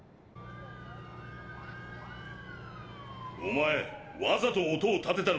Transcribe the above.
お前わざと音を立てたのか？